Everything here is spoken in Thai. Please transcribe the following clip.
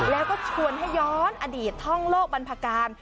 แล้วก็ชวนให้ย้อนอดีตท่องโลกบรรพการ